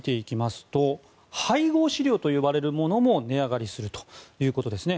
配合飼料と呼ばれるものも値上がりするということですね。